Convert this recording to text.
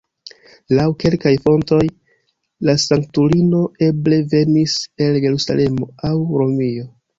Laŭ kelkaj fontoj, la sanktulino eble venis el Jerusalemo aŭ Romio.